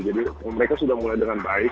jadi mereka sudah mulai dengan baik